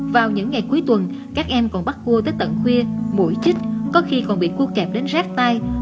vào những ngày cuối tuần các em còn bắt cua tới tận khuya mũi chích có khi còn bị cua kẹp đến rác tai